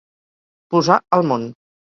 Posar al món.